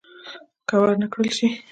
که ور نه کړل شي.